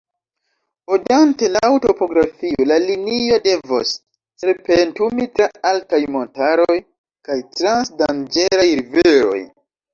Ondante laŭ topografio, la linio devos serpentumi tra altaj montaroj kaj trans danĝeraj riveroj.